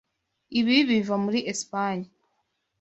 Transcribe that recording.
Ibi biva muri Espanye.